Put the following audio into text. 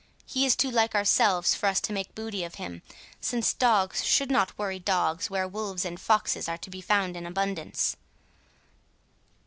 He is too like ourselves for us to make booty of him, since dogs should not worry dogs where wolves and foxes are to be found in abundance."